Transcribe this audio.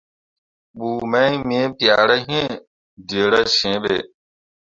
Pku mai me piahra iŋ dǝra sǝ̃ǝ̃be.